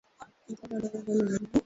Achana naye hana nguvu